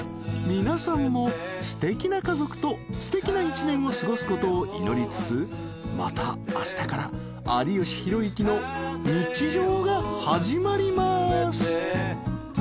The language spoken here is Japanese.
［皆さんもすてきな家族とすてきな１年を過ごすことを祈りつつまたあしたから有吉弘行の日常が始まります］